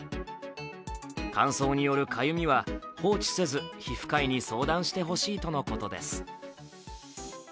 乾燥によるかゆみは放置せず皮膚科医に相談してほしいとのことです。